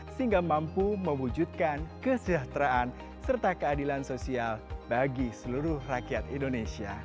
sehingga mampu mewujudkan kesejahteraan serta keadilan sosial bagi seluruh rakyat indonesia